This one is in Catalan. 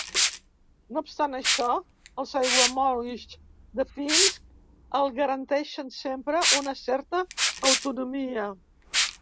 No obstant això, els Aiguamolls de Pinsk els garanteixen sempre una certa autonomia.